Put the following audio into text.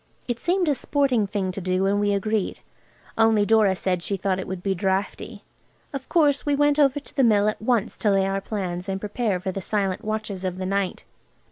It seemed a sporting thing to do, and we agreed. Only Dora said she thought it would be draughty. Of course we went over to the Mill at once to lay our plans and prepare for the silent watches of the night.